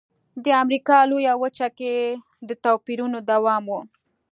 د امریکا لویه وچه کې د توپیرونو دوام و.